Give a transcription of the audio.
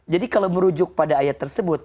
jadi kalau merujuk pada ayat tersebut